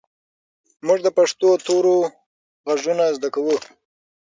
موږ د پښتو تورو غږونه زده کوو.